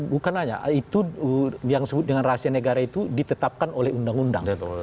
bukan hanya itu yang disebut dengan rahasia negara itu ditetapkan oleh undang undang